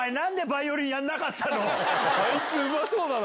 あいつうまそうだな。